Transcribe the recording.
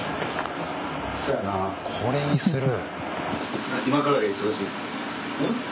これにする？